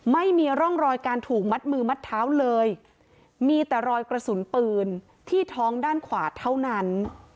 ไม่มีร่องรอยการถูกมัดมือมัดเท้าเลยมีแต่รอยกระสุนปืนที่ท้องด้านขวาเท่านั้น